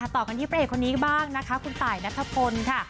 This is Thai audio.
ต่อกันที่พระเอกคนนี้บ้างนะคะคุณตายนัทพลค่ะ